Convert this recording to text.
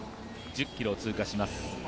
１０ｋｍを通過します。